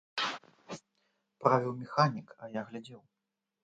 Правіў механік, а я глядзеў.